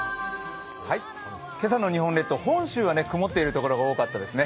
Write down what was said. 今朝の日本列島本州は曇っているところが多かったですね。